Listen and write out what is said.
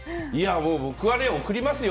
僕は送りますよ。